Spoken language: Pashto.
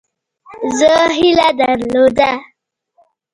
زه هیله درلوده.